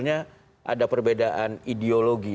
ada perbedaan ideologi